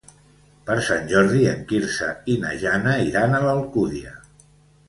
Per Sant Jordi en Quirze i na Jana iran a l'Alcúdia.